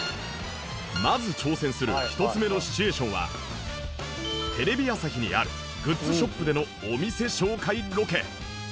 まず挑戦する１つ目のシチュエーションはテレビ朝日にあるグッズショップでのお店紹介ロケ